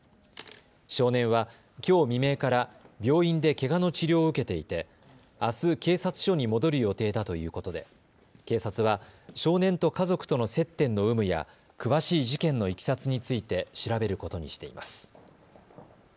少年はきょう未明から病院でけがの治療を受けていてあす警察署に戻る予定だということで警察は少年と家族との接点の有無や詳しい事件のいきさつについて調べることにしています。